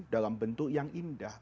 dalam bentuk yang indah